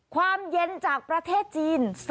ความเย็นจากประเทศจีน